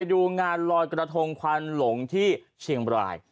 ดูงานลอยกระทงควันหลงที่เชียงบราย